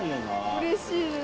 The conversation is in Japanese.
うれしいです。